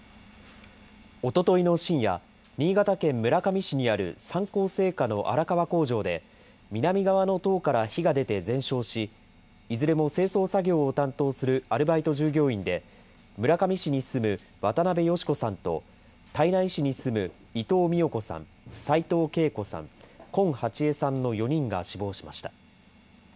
おとといの深夜、新潟県村上市にある三幸製菓の荒川工場で、南側の棟から火が出て全焼し、いずれも清掃作業を担当するアルバイト従業員で、村上市に住む渡邊芳子さんと、胎内市に住む伊藤美代子さん、齋藤慶子さん、近ハチヱさんの４人が死亡しました。